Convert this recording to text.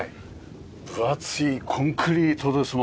分厚いコンクリートですもんね。